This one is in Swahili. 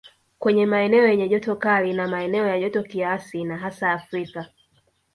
Kwenye maeneo yenye joto kali na maeneo ya joto kiasi na hasa Afrika